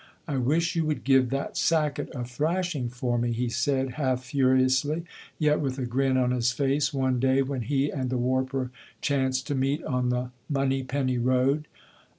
"I wish you would give that sacket a thrashing for me," he said, half furiously, yet with a grin on his face, one day when he and the warper chanced to meet on the Monypenny road.